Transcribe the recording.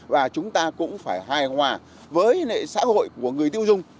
và chúng ta cũng phải hài hòa với xã hội của người tiêu dùng